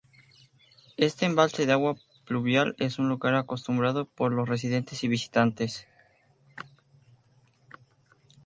Este embalse de agua pluvial es un lugar acostumbrado por los residentes y visitantes.